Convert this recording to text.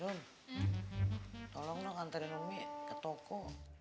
nun tolong dong antarin umi ke toko